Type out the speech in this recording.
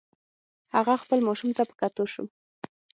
هغه خپل ماشوم ته په کتو شو.